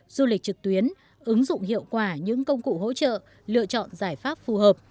du lịch trực tuyến ứng dụng hiệu quả những công cụ hỗ trợ lựa chọn giải pháp phù hợp